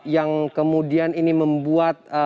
yang kemudian ini membuat